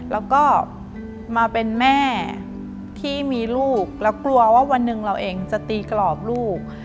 แล้วก็มาเป็นแม่ที่มีลูกแล้วกลัวว่าวันหนึ่งเราเองจะตีกรอบลูก